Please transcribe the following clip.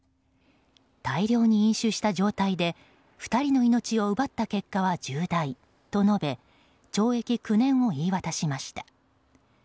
大量に飲酒した状態で２人の命を奪った結果は重大と述べ懲役９年を言い渡しました。